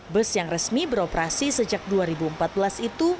bus yang resmi beroperasi sejak dua ribu empat belas itu